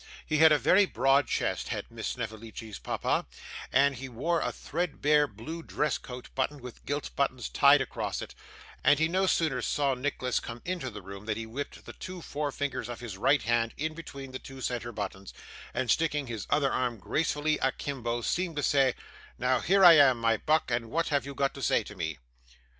He had a very broad chest had Miss Snevellicci's papa, and he wore a threadbare blue dress coat buttoned with gilt buttons tight across it; and he no sooner saw Nicholas come into the room, than he whipped the two forefingers of his right hand in between the two centre buttons, and sticking his other arm gracefully a kimbo seemed to say, 'Now, here I am, my buck, and what have you got to say to me?